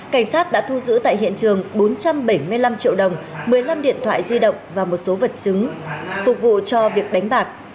cảnh sát đã thu giữ tại hiện trường bốn trăm bảy mươi năm triệu đồng một mươi năm điện thoại di động và một số vật chứng phục vụ cho việc đánh bạc